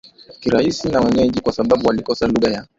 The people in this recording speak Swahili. kirahisi na wenyeji kwa sababu walikosa lugha ya